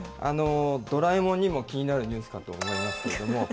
ドラえもんにも気になるニュースかと思いますけれども。